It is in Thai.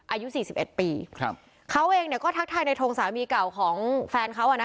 อายุสี่สิบเอ็ดปีครับเขาเองเนี่ยก็ทักทายในทงสามีเก่าของแฟนเขาอ่ะนะ